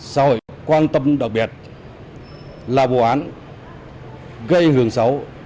xã hội quan tâm đặc biệt là vụ án gây hưởng xấu